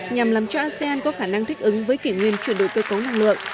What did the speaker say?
nhằm làm cho asean có khả năng thích ứng với kỷ nguyên chuyển đổi cơ cấu năng lượng